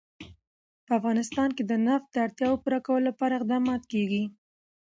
په افغانستان کې د نفت د اړتیاوو پوره کولو لپاره اقدامات کېږي.